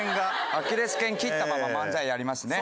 アキレス腱切ったまま漫才やりますね。